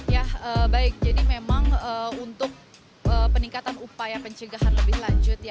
ya baik jadi memang untuk peningkatan upaya pencegahan lebih lanjut ya